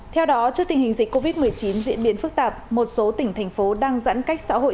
theo đó trước tình hình dịch covid một mươi chín diễn biến phức tạp một số tỉnh thành phố đang giãn cách xã hội